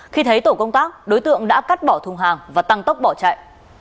khi thấy tổ công tác đối tượng đã cắt bỏ thùng hàng và tăng tốc bỏ chạy